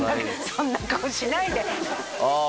そんな顔しないでああ